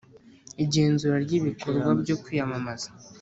Igenzura ry ibikorwa byo kwiyamamaza